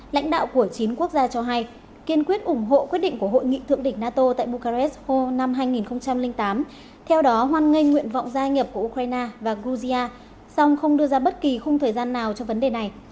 lãnh đạo của chín quốc gia cho hay kiên quyết ủng hộ quyết định của hội nghị thượng đỉnh nato tại bucares hôm hai nghìn tám theo đó hoan nghênh nguyện vọng gia nhập của ukraine và georgia song không đưa ra bất kỳ khung thời gian nào cho vấn đề này